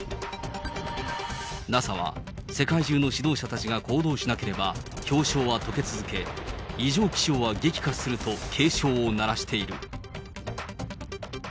ＮＡＳＡは、世界中の指導者たちが行動しなければ、氷床はとけ続け、異常気象は激化すると警鐘を鳴らしている。